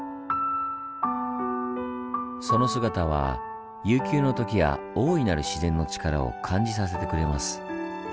その姿は悠久の時や大いなる自然の力を感じさせてくれます。